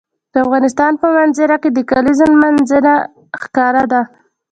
د افغانستان په منظره کې د کلیزو منظره ښکاره ده.